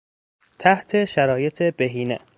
تحت شرایط بهینه